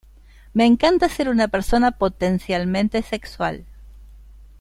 Me encanta ser una persona potencialmente sexual!